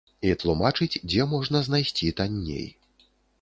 І тлумачыць, дзе можна знайсці танней.